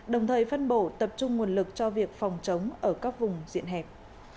đồng thời phân bổ tập trung nguồn lực cho việc phòng chống ở các vùng diện hẹp